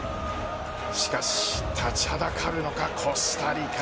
しかし立ちはだかるのかコスタリカ。